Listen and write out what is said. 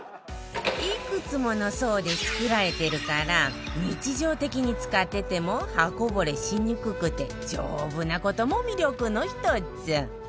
いくつもの層で作られてるから日常的に使ってても刃こぼれしにくくて丈夫な事も魅力の一つ